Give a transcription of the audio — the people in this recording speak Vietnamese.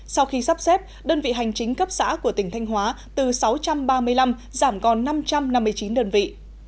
sau khi sắp xếp đơn vị hành chính cấp xã của tỉnh thanh hóa từ sáu trăm ba mươi năm giảm còn năm trăm năm mươi chín đơn vị